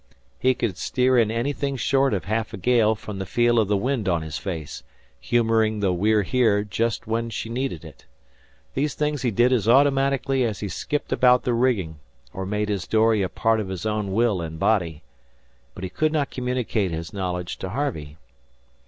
He could steer in anything short of half a gale from the feel of the wind on his face, humouring the We're Here just when she needed it. These things he did as automatically as he skipped about the rigging, or made his dory a part of his own will and body. But he could not communicate his knowledge to Harvey.